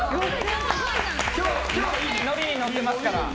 今日、ノリに乗ってますから。